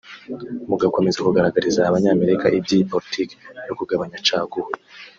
mugakomeza kugaragariza Abanyamerika iby’iyi politiki yo kugabanya caguwa